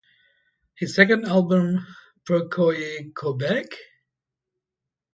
His second album, Pourquoi Quebec?